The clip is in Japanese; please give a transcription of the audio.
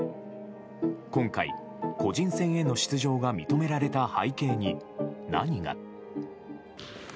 今回、個人戦への出場が認められた背景に何が。